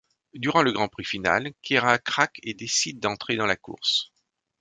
Durant le Grand Prix final, Keira craque et décide d’entrer dans la course.